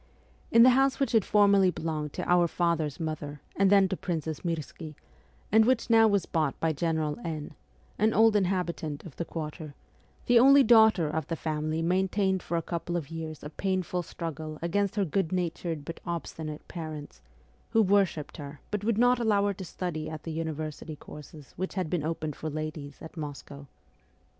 ST. PETERSBURG 49 In the house which had formerly belonged to our father's mother and then to Princess Mirski, and which now was bought by General N , an old inhabitant of the Quarter, the only daughter of the family main tained for a couple of years a painful struggle against her good natured but obstinate parents, who worshipped her but would not allow her to study at the university courses which had been opened for ladies at Moscow.